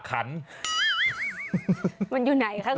มันอยู่ไหนคะคุณ